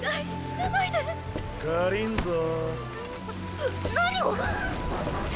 な何を！